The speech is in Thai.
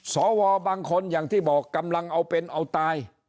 สวบางคนอย่างที่บอกกำลังเอาเป็นเอาตาย